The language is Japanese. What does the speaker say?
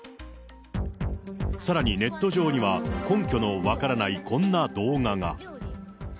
さらにネット上には、根拠の分からないこんな動画が。